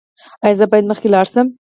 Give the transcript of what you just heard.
ایا زه باید مخکې لاړ شم؟